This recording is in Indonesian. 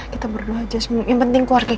kita berdua aja yang penting keluarga kita